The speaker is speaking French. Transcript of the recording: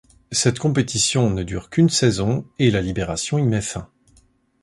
Cette compétition ne dure qu'une saison et la Libération y met fin.